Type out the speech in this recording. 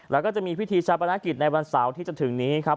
แล้วก็จะมีพิธีชาปนกิจในวันเสาร์ที่จะถึงนี้ครับ